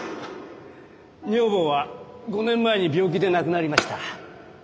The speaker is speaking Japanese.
女房は５年前に病気で亡くなりました。